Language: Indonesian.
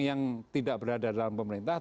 yang tidak berada dalam pemerintah